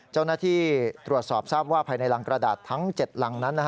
เจ้าหน้าที่ตรวจสอบทราบว่าภายในรังกระดาษทั้ง๗รังนั้น